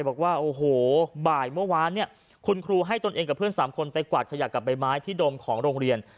บอกว่าโอ้โหบ่ายเมื่อวานเนี่ยคุณครูให้ตนเองกับเพื่อน๓คนไปกวาดขยะกับใบไม้ที่ดมของโรงเรียน